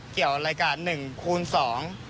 เกี่ยวอะไรกับ๑คูณ๒